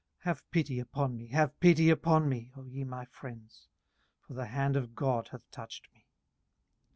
18:019:021 Have pity upon me, have pity upon me, O ye my friends; for the hand of God hath touched me.